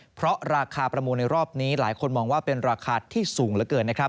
เพราะราคาประมูลในรอบนี้หลายคนมองว่าเป็นราคาที่สูงเหลือเกินนะครับ